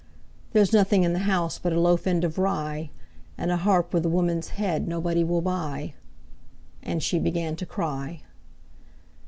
"There's nothing in the house But a loaf end of rye, And a harp with a woman's head Nobody will buy," And she began to cry.